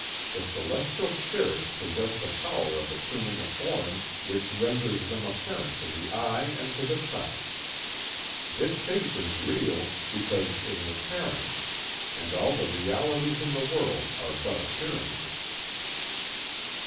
The celestial spirits possess the power of assuming a form which renders them apparent to the eye and to the touch. This shape is real, because it is apparent, and all the realities in the world are but appearances."